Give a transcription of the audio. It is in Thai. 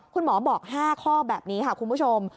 คุณหมอบอก๕ข้อแบบนี้ค่ะคุณผู้ชม